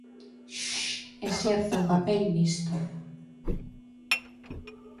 Shh exerce un papel nisto.